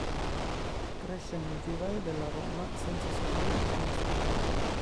Cresce nel vivaio della Roma senza esordire in prima squadra.